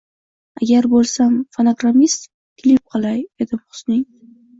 Agar bo‘lsam fono‘grammist, klip qilg‘ay edim husning